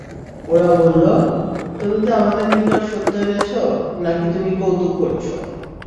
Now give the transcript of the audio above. ওরা বলল, তুমি কি আমাদের নিকট সত্য এনেছ, নাকি তুমি কৌতুক করছ?